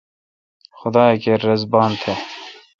خدا کیر رس بان تھ ۔